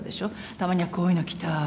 たまにはこういうの着たい。